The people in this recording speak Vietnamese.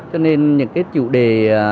cho nên những cái chủ đề